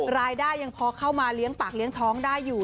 ยังพอเข้ามาเลี้ยงปากเลี้ยงท้องได้อยู่